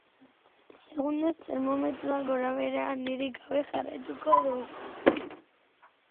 Egunez termometroak gorabehera handirik gabe jarraituko du.